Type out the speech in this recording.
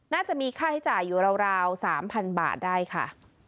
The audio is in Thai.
น่าจะมีค่าใช้จ่ายอยู่ราว๓๐๐๐บาทได้ค่ะ